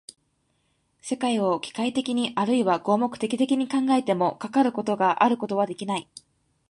世界を機械的にあるいは合目的的に考えても、かかることがあることはできない。